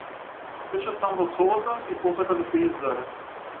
Беше сам во собата, и посака да се издере.